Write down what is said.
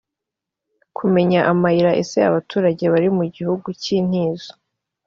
kumenya amayira ese abaturage bari mu gihugu k intizo